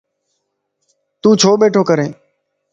تو ڇو ٻيھڻو ڪرين؟